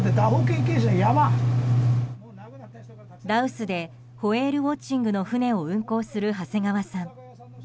羅臼でホエールウォッチングの船を運航する長谷川さん。